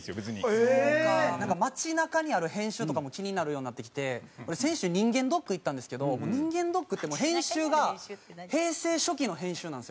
街なかにある編集とかも気になるようになってきて俺先週人間ドック行ったんですけど人間ドックってもう編集が平成初期の編集なんですよ。